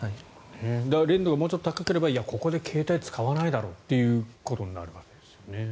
練度がもうちょっと高ければいや、ここで携帯使わないだろうってことになるわけですね。